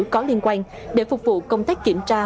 có liên quan để phục vụ công tác kiểm tra